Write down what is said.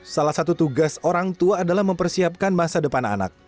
salah satu tugas orang tua adalah mempersiapkan masa depan anak